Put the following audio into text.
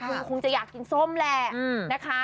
คุณคงจะอยากกินส้มแหละนะคะ